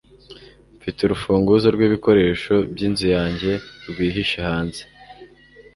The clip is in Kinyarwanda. Mfite urufunguzo rwibikoresho byinzu yanjye rwihishe hanze.